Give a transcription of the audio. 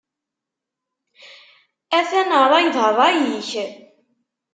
Atan rray d rray-ik.